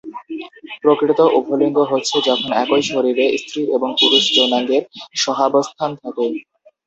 প্রকৃত উভলিঙ্গ হচ্ছে যখন একই শরীরে স্ত্রী এবং পুরুষ যৌনাঙ্গের সহাবস্থান থাকে।